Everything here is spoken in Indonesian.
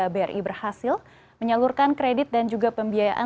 bri berhasil menyalurkan kredit dan juga pembiayaan